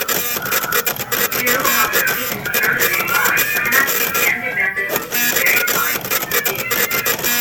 Two of the six proto-demoi cannot be independently verified to exist.